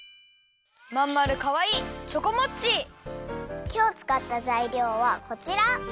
まんまるかわいいきょうつかったざいりょうはこちら！